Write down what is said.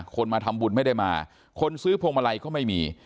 คนมาทำบุญไม่ได้มาคนซื้อพวงมาลัยก็ไม่มี